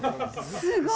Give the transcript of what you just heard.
すごーい。